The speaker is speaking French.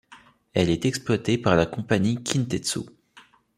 Elle est exploitée par la compagnie Kintetsu.